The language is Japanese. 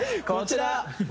こちら！